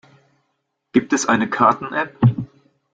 Gibt es eine Karten-App?